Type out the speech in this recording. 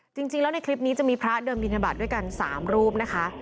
จริงแล้วในคลิปนี้จะมีพระเดินบินทบาทด้วยกัน๓รูปนะคะ